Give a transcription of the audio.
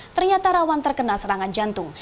ternyata rawan terkena serangan jantung